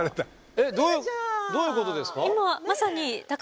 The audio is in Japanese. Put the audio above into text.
えっどういうどういうことですか？